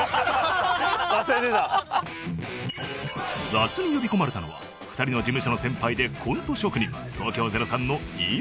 雑に呼び込まれたのは２人の事務所の先輩でコント職人